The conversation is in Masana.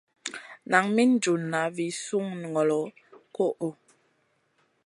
Nan min junʼna vi sùnŋolo kuhʼu.